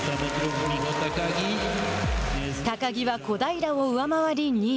高木は小平を上回り２位。